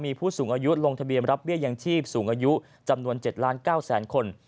มีผู้สูงอายุลงทะเบียนรับเบี้ยยังชีพสูงอายุจำนวน๗ล้าน๙แสนคน